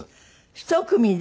１組で？